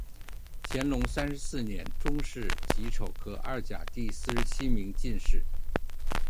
乾隆三十四年中式己丑科二甲第四十七名进士。